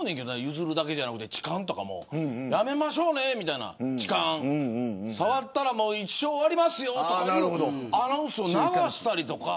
譲るだけじゃなくて痴漢とかもやめましょうねとか触ったら一生終わりますよとか流したりとか。